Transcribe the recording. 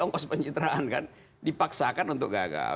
ongkos pencitraan kan dipaksakan untuk gagal